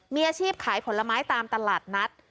มีอาชีพขายผลไม้ตามตลาดนัด